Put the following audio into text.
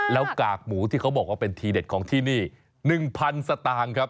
แล้วกากหมูที่เขาบอกว่าเป็นทีเด็ดของที่นี่๑๐๐สตางค์ครับ